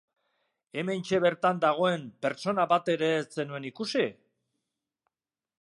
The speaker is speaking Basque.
Hementxe bertan dagoen pertsona bat ere ez zenuen ikusi?